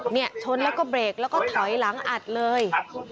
เนี่ยชนแล้วก็เบรกแล้วก็ถอยหลังอัดเลย